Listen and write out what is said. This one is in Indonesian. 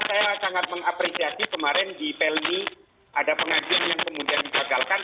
saya kira saya sangat mengapresiasi kemarin di pelmi ada pengajian yang kemudian dibagalkan